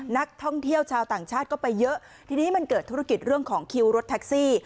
นักท่องเที่ยวชาวต่างชาติก็ไปเยอะทีนี้มันเกิดธุรกิจเรื่องของคิวรถแท็กซี่